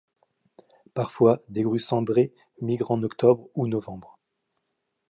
Parfois des grues cendrées migrent en octobre ou novembre.